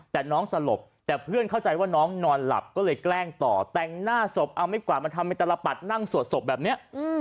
แต่น้องสลบแต่เพื่อนเข้าใจว่าน้องนอนหลับก็เลยแกล้งต่อแต่งหน้าศพเอาไม่กวาดมาทำเป็นตลปัดนั่งสวดศพแบบนี้